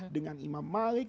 dengan imam malik